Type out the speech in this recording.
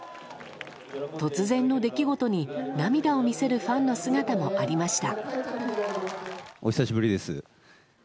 突然の出来事に涙を見せるファンの姿もありました。